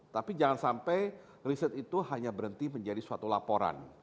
tapi jangan sampai riset itu hanya berhenti menjadi suatu laporan